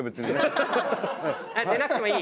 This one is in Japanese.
出なくてもいい？